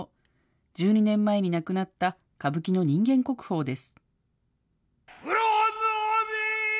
１２年前に亡くなった、歌舞伎の人間国宝です。